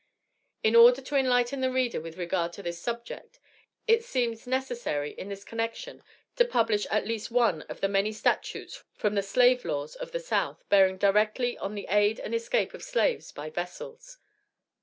In order to enlighten the reader with regard to this subject, it seems necessary, in this connection, to publish at least one of the many statutes from the slave laws of the South bearing directly on the aid and escape of slaves by vessels.